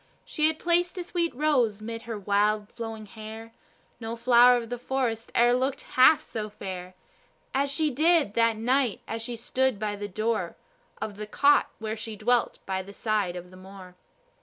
She had placed a sweet rose 'mid her wild flowing hair; No flower of the forest e'er looked half so fair As she did that night, as she stood by the door Of the cot where she dwelt by the side of the moor.